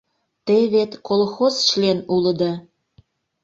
Те вет колхоз член улыда?